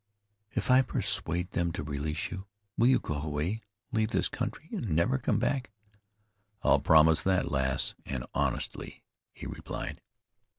"If I persuade them to release you, will you go away, leave this country, and never come back?" "I'll promise that, lass, and honestly," he replied.